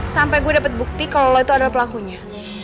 sampai gue dapat bukti kalau lo itu adalah pelakunya